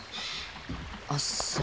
あっそれ